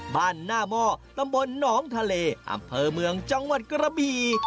บ้านหน้าหม้อตำบลหนองทะเลอำเภอเมืองจังหวัดกระบี่